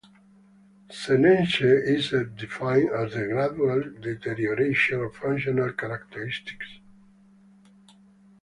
Senescence is defined as the gradual deterioration of functional characteristics.